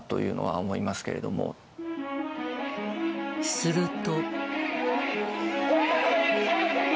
すると。